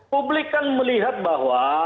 publik kan melihat bahwa